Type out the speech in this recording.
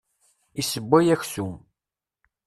Isewway aksum.